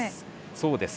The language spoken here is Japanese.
そうです。